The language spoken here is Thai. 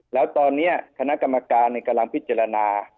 แล้วตอนนี้คณะกรรมการกำลังพิจารณา